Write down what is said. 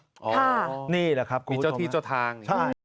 ค่ะมีเจ้าที่เจ้าทางอย่างนี้ครับคุณผู้ชมครับใช่